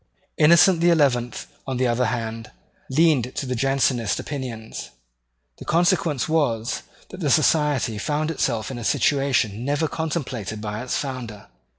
Innocent the Eleventh, on the other hand, leaned to the Jansenist opinions. The consequence was, that the Society found itself in a situation never contemplated by its founder.